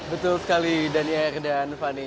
betul sekali daniar dan fani